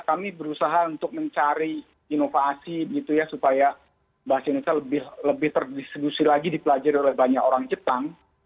kami berusaha untuk mencari inovasi gitu ya supaya bahasa indonesia lebih terdistribusi lagi dipelajari oleh banyak orang jepang